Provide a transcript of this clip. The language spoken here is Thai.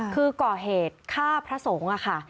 คือก่อเหตุฆ่าพระสงฆ์ค่ะ